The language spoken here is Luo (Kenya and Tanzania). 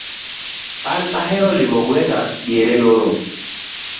an ahero limo gweng'a diere loro.